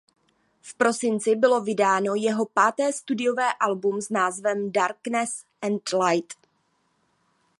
V prosinci bylo vydáno jeho páté studiové album s názvem "Darkness and Light".